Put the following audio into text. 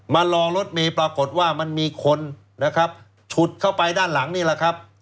มารอรถเมย์ปรากฏว่ามันมีคนนะครับฉุดเข้าไปด้านหลังนี่แหละครับ